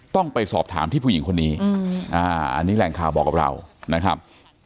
ต้องไปสอบถามที่ผู้หญิงคนนี้อันนี้แหล่งข่าวบอกกับเรานะครับ